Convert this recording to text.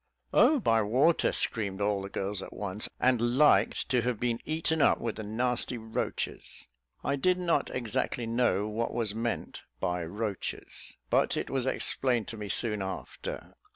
"Oh, by water," screamed all the girls at once, "and liked to have been eaten up with the nasty roaches." I did not exactly know what was meant by "roaches," but it was explained to me soon after.